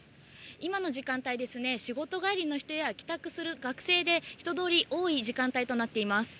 今の時間帯ですね、仕事帰りの人や帰宅する学生で、人通り、多い時間帯となっています。